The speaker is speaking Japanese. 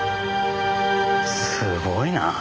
すごいな。